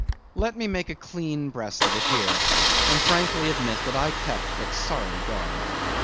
Let me make a clean breast of it here, and frankly admit that I kept but sorry guard.